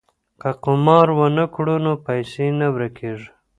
که قمار ونه کړو نو پیسې نه ورکيږي.